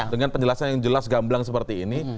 dengan penjelasan yang jelas gamblang seperti ini